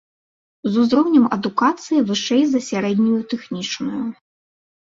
З узроўнем адукацыі вышэй за сярэднюю тэхнічную.